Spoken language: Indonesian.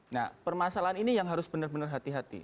nah permasalahan ini yang harus benar benar hati hati